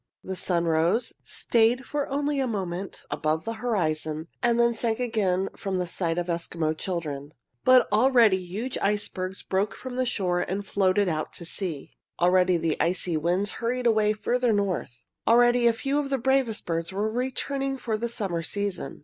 The sun rose, stayed for only a moment above the horizon, and then sank again from the sight of Eskimo children. But already huge icebergs broke from the shore and floated out to sea. Already the icy winds hurried away farther north. Already a few of the bravest birds were returning for the summer season.